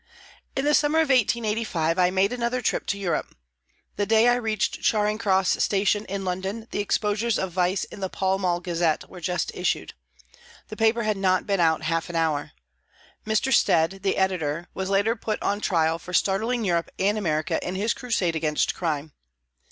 In the summer of 1885 I made another trip to Europe. The day I reached Charing Cross station in London the exposures of vice in the Pall Mall Gazette were just issued. The paper had not been out half an hour. Mr. Stead, the editor, was later put on trial for startling Europe and America in his crusade against crime.